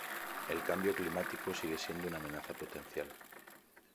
El cambio climático sigue siendo una amenaza potencial.